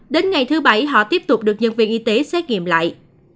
đến ngày thứ bảy họ tiếp tục được nhân viên y tế xét nghiệm lại